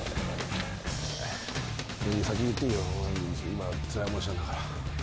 今つらい思いしたんだから。